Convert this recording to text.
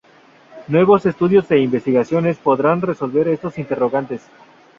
Nuevos estudios e investigaciones podrán resolver estos interrogantes.